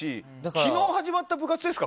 昨日始まった部活ですか？